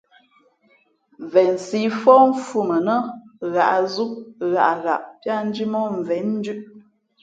Vensǐ fóh mfhʉ̄ mα nά ghǎʼzú ghaʼghaʼ píá njímóh mvěn ndʉ̄ʼ.